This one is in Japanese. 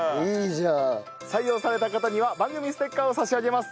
採用された方には番組ステッカーを差し上げます。